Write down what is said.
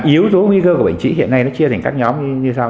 yếu tố nguy cơ của bệnh trí hiện nay nó chia thành các nhóm như sao